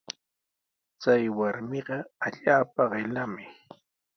Chay warmiqa allaapa qillami.